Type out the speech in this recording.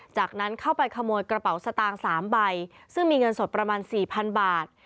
จากนั้นเข้าไปขโมยกระเป๋าสตางค์๓ใบซึ่งมีเงินสดประมาณสี่พันบาท